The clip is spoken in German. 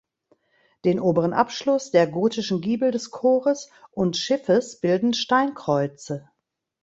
Den oberen Abschluss der gotischen Giebel des Chores und Schiffes bilden Steinkreuze.